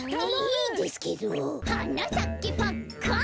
「はなさけパッカン」